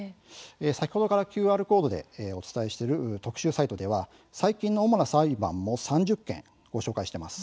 先ほどからＱＲコードでお伝えしている特集サイトでは最近の主な裁判も３０件ご紹介しています。